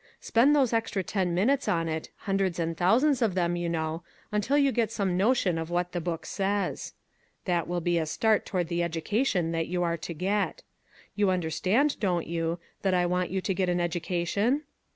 Spend those extra ten minutes on it, hundreds and thou sands of them, you know, until you get some notion of what the book says. That will be a start toward the education that you are to get. You understand, don't you, that I want you to get an education